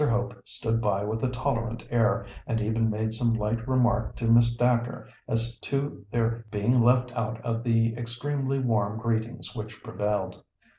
Hope stood by with a tolerant air, and even made some light remark to Miss Dacre as to their being left out of the extremely warm greetings which prevailed.